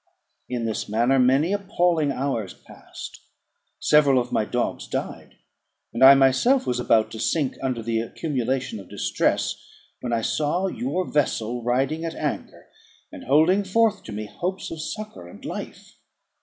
In this manner many appalling hours passed; several of my dogs died; and I myself was about to sink under the accumulation of distress, when I saw your vessel riding at anchor, and holding forth to me hopes of succour and life.